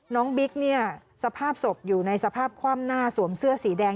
บิ๊กเนี่ยสภาพศพอยู่ในสภาพคว่ำหน้าสวมเสื้อสีแดง